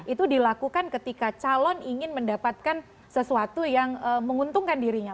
itu dilakukan ketika calon ingin mendapatkan sesuatu yang menguntungkan dirinya